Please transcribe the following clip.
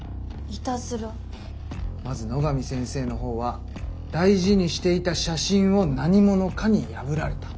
まず野上先生の方は大事にしていた写真を何者かに破られた。